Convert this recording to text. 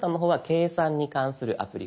「計算」に関するアプリ。